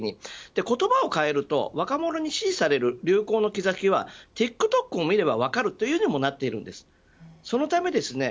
言葉を変えると若者に支持される流行の兆しはＴｉｋＴｏｋを見れば分かるというようになりました。